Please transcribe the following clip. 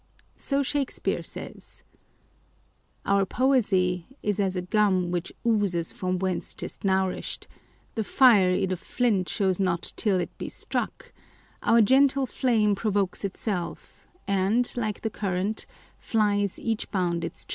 So Shakespeare says : Our poesy is as a gum which oozes From whence 'tis nourished : the fire i' the fiiut Shows not till it be struck : our gentle flame Provokes itself; and, like the current, flies Each bound it chafes.